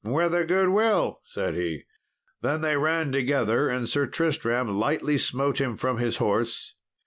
"With a good will," said he. Then they ran together, and Sir Tristram lightly smote him from his horse.